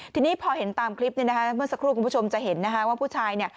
ทีนี้พอเห็นตามคลิปเมื่อสักครู่คุณผู้ชมจะเห็นว่าผู้ชาย